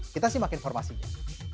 kita simak informasinya